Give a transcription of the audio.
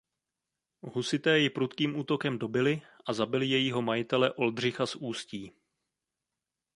Husité ji prudkým útokem dobyli a zabili jejího majitele Oldřicha z Ústí.